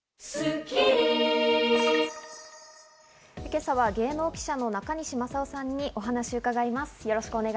今朝は芸能記者の中西正男さんにお話を伺います。